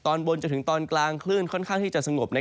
ตอนบนจนถึงตอนกลางคลื่นค่อนข้างที่จะสงบ